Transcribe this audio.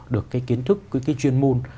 được cái kiến thức cái chuyên môn